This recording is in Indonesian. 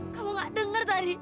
kamu gak denger tadi